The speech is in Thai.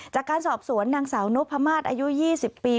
จากการสอบสวนนางสาวนพมาศอายุ๒๐ปี